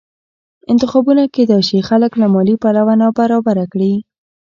انتخابونه کېدای شي خلک له مالي پلوه نابرابره کړي